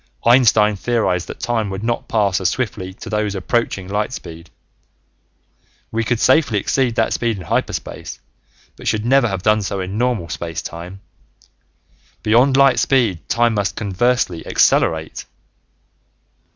Einstein theorized that time would not pass as swiftly to those approaching light speed. We could safely exceed that speed in hyperspace but should never have done so in normal space time. Beyond light speed time must conversely accelerate!